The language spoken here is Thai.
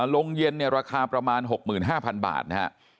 โรงเย็นเนี่ยราคาประมาณ๖๕๐๐บาทนะฮะ